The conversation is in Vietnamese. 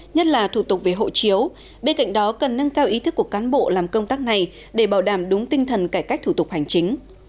nhất là thủ tục về hộ chiếu bên cạnh đó cần nâng cao ý thức của cán bộ làm công tác này để bảo đảm đúng tinh thần cải cách thủ tục hành chính